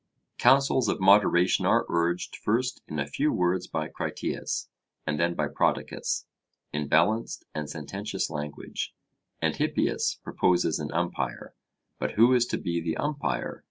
Counsels of moderation are urged first in a few words by Critias, and then by Prodicus in balanced and sententious language: and Hippias proposes an umpire. But who is to be the umpire?